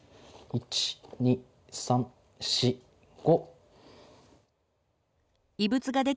１２３４５。